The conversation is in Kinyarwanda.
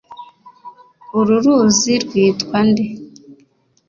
uru ruzi rwitwa nde?